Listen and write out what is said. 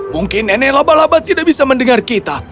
mungkin nenek laba laba tidak bisa mendengar kita